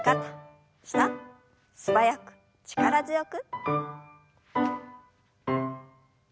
素早く力強く。